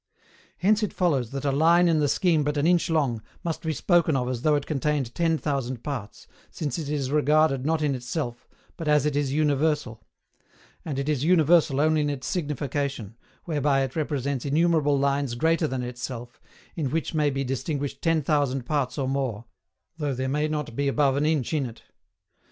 Hence it follows that a line in the scheme but an inch long must be spoken of as though it contained ten thousand parts, since it is regarded not in itself, but as it is universal; and it is universal only in its signification, whereby it represents innumerable lines greater than itself, in which may be distinguished ten thousand parts or more, though there may not be above an inch in it.